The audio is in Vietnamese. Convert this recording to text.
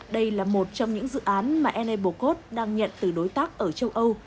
đây là một trong những dự án mà enablecode đang nhận từ đối tác ở châu âu